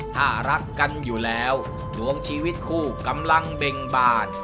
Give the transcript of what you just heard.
ถ้ารักกันอยู่แล้วดวงชีวิตคู่กำลังเบ่งบาน